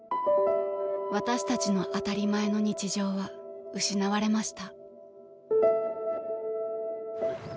私たちの当たり前の日常は失われました。